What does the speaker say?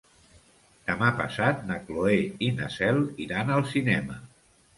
Demà passat na Cloè i na Cel iran al cinema.